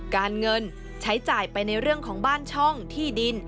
การเงินใช้จ่ายไปในเรื่องของบ้านช่องที่ดิน